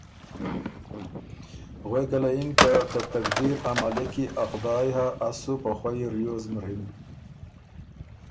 غوېکه له یِن که ”ته تقدیر مالک يې ا خدای هۀ، از سُو په خوئ ریوز مرِم۔